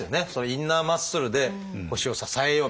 インナーマッスルで腰を支えようみたいな。